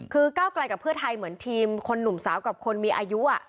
คือก้าวไกลกับเพื่อไทยเหมือนทีมคนหนุ่มสาวกับคนมีอายุ